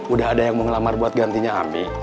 udah ada yang mau ngelamar buat gantinya ami